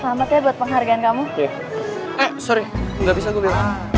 selamat ya buat penghargaan kamu sorry nggak bisa gue